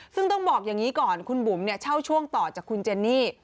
ซึ่งต้องบอกอย่างนี้ก่อนคุณบุ๋มเนี่ยเช่าช่วงต่อจากคุณเจนี่